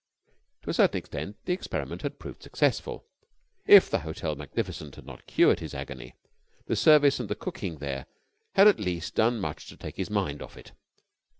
To a certain extent the experiment had proved successful. If the Hotel Magnificent had not cured his agony, the service and the cooking there had at least done much to take his mind off it.